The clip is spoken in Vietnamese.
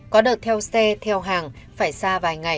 có đợt theo xe theo hàng phải xa vài ngày